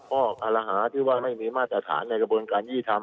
ข้อคารหาที่ว่าไม่มีมาตรฐานในกระบวนการยี่ธรรม